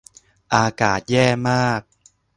อากาศแย่มาก